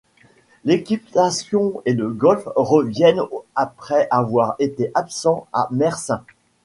L'équitation et le golf reviennent après avoir été absent à Mersin.